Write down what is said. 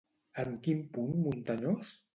En quin punt muntanyós?